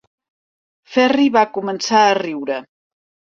Ferri va començar a riure.